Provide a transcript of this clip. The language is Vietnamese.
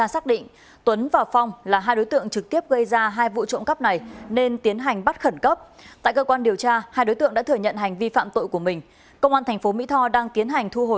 xin kính chào tạm biệt